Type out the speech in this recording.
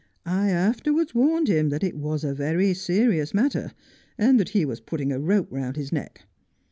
I afterwards warned him that it was a very serious matter, and that he was putting a rope round his neck.